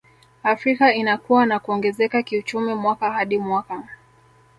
Afrika inakua na kuongezeka kiuchumi mwaka hadi mwaka